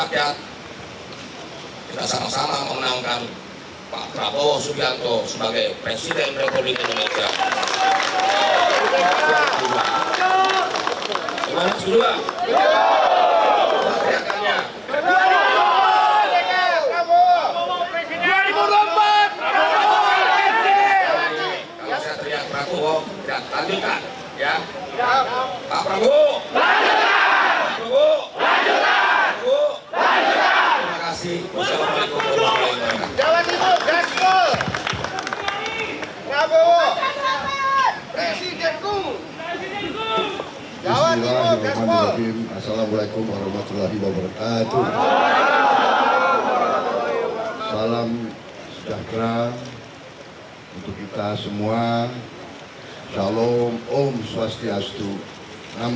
karena bangsa indonesia ini milik semua golongan